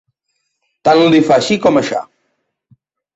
Tant li fa així com aixà.